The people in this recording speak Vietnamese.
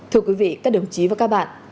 thưa quý vị các đồng chí và các bạn